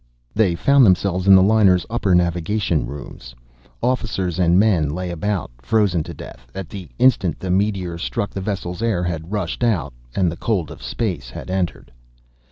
They found themselves in the liner's upper navigation rooms. Officers and men lay about, frozen to death at the instant the meteor struck vessel's air had rushed out, and the cold of space had entered.